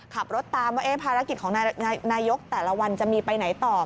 ขับรถตามว่าภารกิจของนายกแต่ละวันจะมีไปไหนต่อ